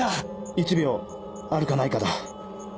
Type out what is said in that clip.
１秒あるかないかだ。